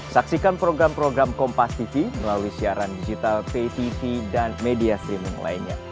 saksikan program program kompastv melalui siaran digital ptv dan media streaming lainnya